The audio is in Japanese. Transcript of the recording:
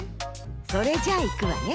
それじゃいくわね。